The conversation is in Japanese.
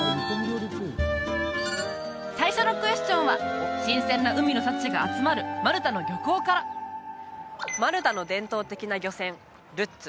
最初のクエスチョンは新鮮な海の幸が集まるマルタの漁港からマルタの伝統的な漁船ルッツ